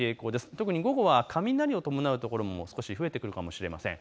特に午後は雷を伴う所も少し増えてくるかもしれません。